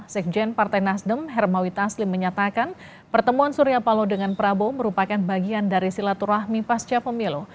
sekjen partai nasdem hermawi taslim menyatakan pertemuan surya paloh dengan prabowo merupakan bagian dari silaturahmi pasca pemilu